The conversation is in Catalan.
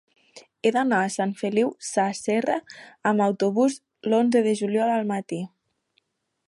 He d'anar a Sant Feliu Sasserra amb autobús l'onze de juliol al matí.